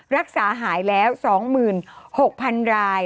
รักษาหายแล้ว๒๖๐๐๐ราย